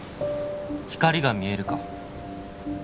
「光が見えるか？」